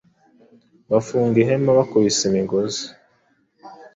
bafunga ihema Bakubise imigozi